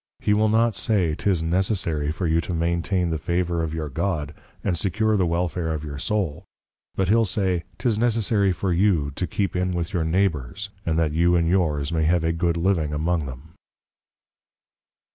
He will not say, 'tis necessary for you to maintain the Favour of your God, and secure the +welfare of your Soul+; but he'll say, _'tis necessary for you to keep in with your Neighbours; and that you and yours may have a good Living among them.